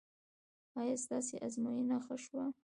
ایا ستاسو ازموینه ښه شوه؟